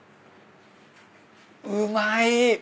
うまい！